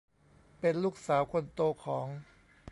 เป็นลูกสาวคนโตของ